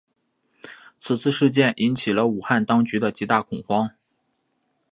此次事件引起了武汉当局的极大恐慌。